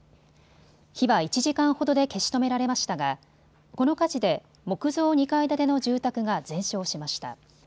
火は１時間ほどで消し止められましたがこの火事で木造２階建ての住宅が全焼しました。